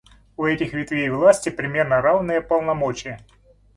У этих ветвей власти примерно равные полномочия.